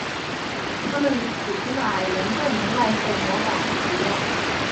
他们比普通的矮人更能耐受魔法与毒药。